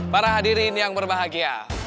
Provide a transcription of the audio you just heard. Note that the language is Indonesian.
para hadirin yang berbahagia